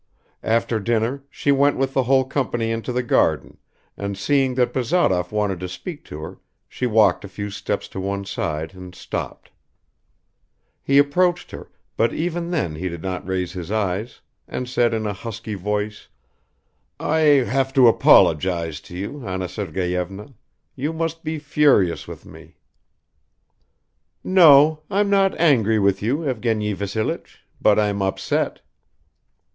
After dinner, she went with the whole company into the garden, and seeing that Bazarov wanted to speak to her, she walked a few steps to one side and stopped. He approached her, but even then he did not raise his eyes and said in a husky voice: "I have to apologize to you, Anna Sergeyevna. You must be furious with me." "No, I'm not angry with you, Evgeny Vassilich, but I'm upset."